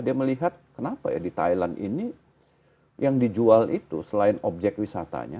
dia melihat kenapa ya di thailand ini yang dijual itu selain objek wisatanya